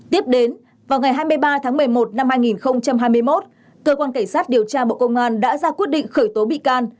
tiếp đến vào ngày hai mươi ba tháng một mươi một năm hai nghìn hai mươi một cơ quan cảnh sát điều tra bộ công an đã ra quyết định khởi tố bị can